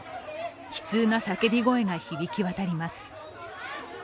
悲痛な叫び声が響きわたります。